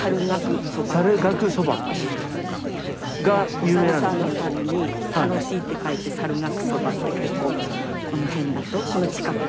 お猿さんの猿に楽しいって書いて猿楽そばって結構こっちですか？